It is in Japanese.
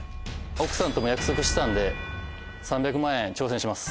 奥さんとも約束したんで３００万円挑戦します。